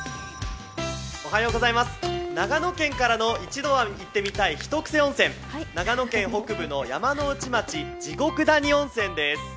長野県からの一度は行ってみたいひとクセ温泉、長野県北部の山ノ内町、地獄谷温泉です。